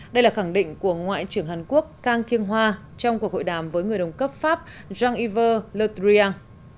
đây là khẳng định của ngoại trưởng hàn quốc kang kyung hwa trong cuộc hội đàm với người đồng cấp pháp jean yves le drian